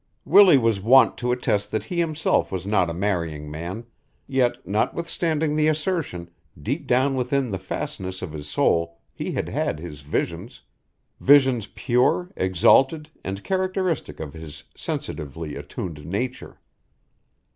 Willie was wont to attest that he himself was not a marrying man; yet notwithstanding the assertion, deep down within the fastness of his soul he had had his visions, visions pure, exalted and characteristic of his sensitively attuned nature.